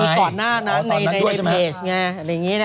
มีก่อนหน้านั้นในเพจ